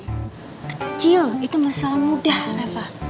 kecil itu masalah mudah rafa